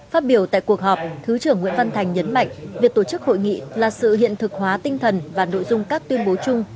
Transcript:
phát biểu tại cuộc họp thứ trưởng nguyễn văn thành nhấn mạnh việc tổ chức hội nghị là sự hiện thực hóa tinh thần và nội dung các tuyên bố chung